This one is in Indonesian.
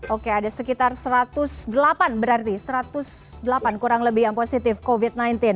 oke ada sekitar satu ratus delapan berarti satu ratus delapan kurang lebih yang positif covid sembilan belas